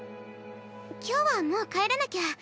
今日はもう帰らなきゃ。